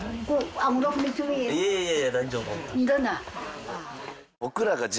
いえいえ大丈夫。